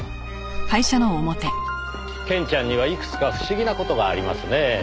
ケンちゃんにはいくつか不思議な事がありますねぇ。